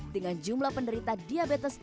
dengan jumlah penderita diabetes